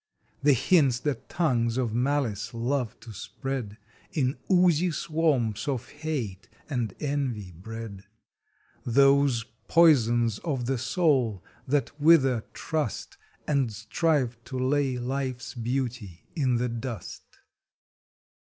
The hints that tongues of malice love to spread, In oozy swamps of hate and envy bred Those poisons of the soul that wither trust And strive to lay life s beauty in the dust.